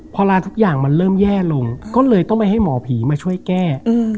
เวลาทุกอย่างมันเริ่มแย่ลงก็เลยต้องไปให้หมอผีมาช่วยแก้